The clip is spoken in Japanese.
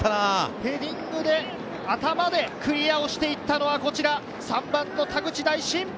ヘディングで頭でクリアをして行ったのは、こちら３番の田口大慎。